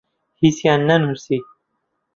هیچیان نەنووسی.